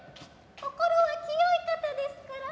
心は清い方ですから。